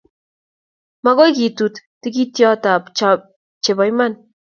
Magoi kitut tigityotap chepoiman.